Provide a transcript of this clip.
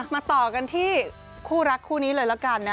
มาต่อกันที่คู่รักคู่นี้เลยละกันนะ